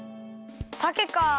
さけか。